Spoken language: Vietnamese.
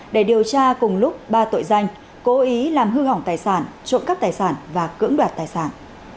để điều tra cùng lúc ba tội danh cố ý làm hư hỏng tài sản trộm cắp tài sản và cưỡng đoạt tài sản